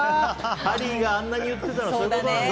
ハリーがあんなに言ってたのそういうことなんだ。